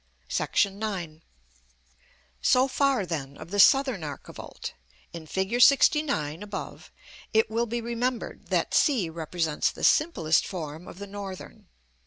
§ IX. So far, then, of the Southern archivolt: In Fig. LXIX., above, it will be remembered that c represents the simplest form of the Northern.